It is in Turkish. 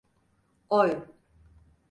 Oy!